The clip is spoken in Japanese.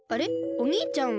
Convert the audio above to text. おにいちゃんは？